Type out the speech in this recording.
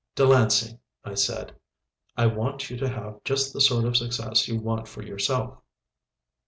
"Delancey," I said, "I want you to have just the sort of success you want for yourself."